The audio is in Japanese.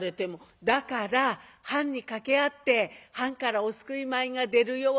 「だから藩に掛け合って藩からお救い米が出るように」。